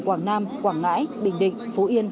quảng nam quảng ngãi bình định phú yên